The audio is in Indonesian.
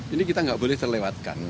ini kita nggak boleh terlewatkan